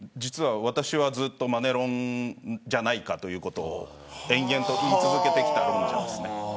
私は、ずっとマネロンじゃないかということを延々と言い続けてきました。